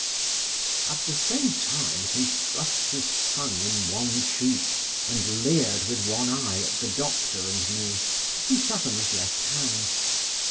At the same time, he thrust his tongue in one cheek, and leered with one eye at the doctor and me, who sat on his left hand.